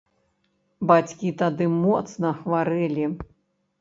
Бацькі тады моцна хварэлі.